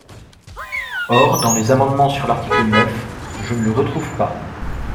Or dans les amendements sur l’article neuf, je ne le retrouve pas.